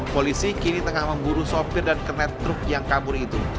polisi kini tengah memburu sopir dan kernet truk yang kabur itu